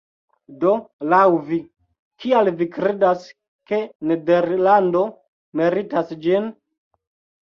Do laŭ vi, kial vi kredas ke nederlando meritas ĝin?